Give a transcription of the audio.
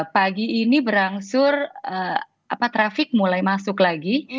pagi ini berangsur trafik mulai masuk lagi